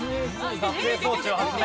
撮影装置を発明。